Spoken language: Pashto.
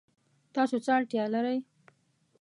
تاسو څه اړتیا لرئ؟